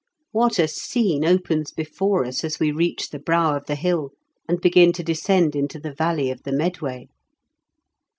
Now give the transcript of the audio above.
What a scene opens before us as we reach the brow of the hill, and begin to descend into the valley of the Medway